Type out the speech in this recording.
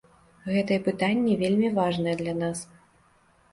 Гэтае пытанне вельмі важнае для нас.